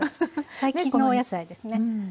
最近のお野菜ですね。